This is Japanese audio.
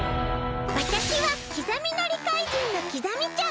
わたしはきざみ海苔怪人のキザミちゃん。